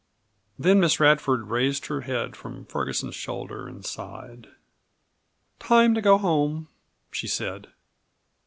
Then Miss Radford raised her head from Ferguson's shoulder and sighed. "Time to go home," she said.